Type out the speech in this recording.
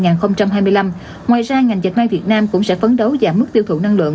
ngoài ra ngành dệt may việt nam cũng sẽ phấn đấu giảm mức tiêu thụ năng lượng